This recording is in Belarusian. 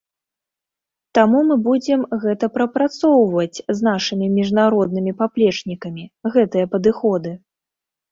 Таму мы будзем гэта прапрацоўваць з нашымі міжнароднымі паплечнікамі, гэтыя падыходы.